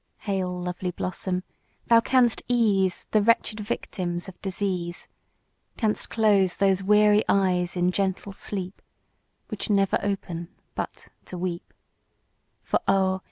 Hail, lovely blossom! thou canst ease The wretched victims of Disease; Canst close those weary eyes in gentle sleep, Which never open but to weep; For, oh!